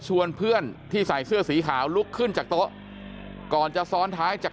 เพื่อนที่ใส่เสื้อสีขาวลุกขึ้นจากโต๊ะก่อนจะซ้อนท้ายจาก